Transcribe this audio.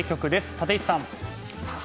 立石さん。